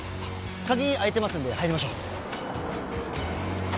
鍵開いてますんで入りましょう。